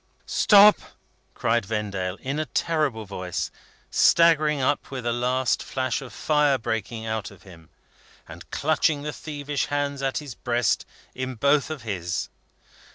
"Stop!" cried Vendale, in a terrible voice, staggering up with a last flash of fire breaking out of him, and clutching the thievish hands at his breast, in both of his.